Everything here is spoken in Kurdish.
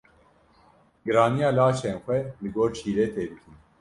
giraniya laşên xwe li gor şîretê bikin.